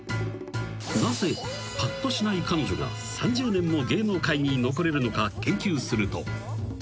［なぜぱっとしない彼女が３０年も芸能界に残れるのか研究すると］